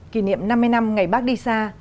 kỷ niệm năm mươi năm ngày bác đi xa